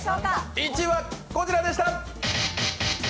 １位はこちらでした！